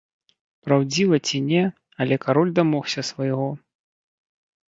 Праўдзіва ці не, але кароль дамогся свайго.